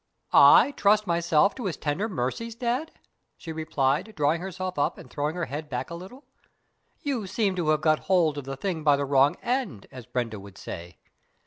"I trust myself to his tender mercies, Dad?" she replied, drawing herself up and throwing her head back a little; "you seem to have got hold of the thing by the wrong end, as Brenda would say.